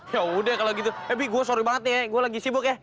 yaudah kalo gitu eh bi gue sorry banget nih ya gue lagi sibuk ya